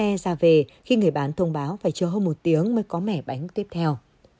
xe ra về khi người bán thông báo phải chờ hơn một tiếng mới có mẻ bánh tiếp theo